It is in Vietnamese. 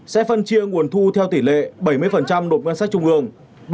sẽ phân chia nguồn thu theo tỷ lệ bảy mươi nộp ngân sách trung ương